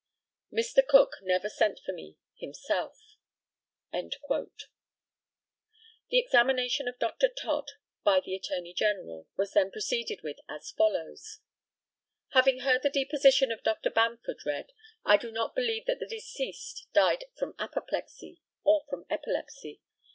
Mr. Cook never sent for me himself." The examination of Dr. TODD by the ATTORNEY GENERAL was then proceeded with, as follows: Having heard the deposition of Dr. Bamford read, I do not believe that the deceased died from apoplexy, or from epilepsy.